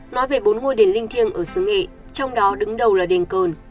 nói về bốn ngôi đền linh thiêng ở sứ nghệ trong đó đứng đầu là đền cơn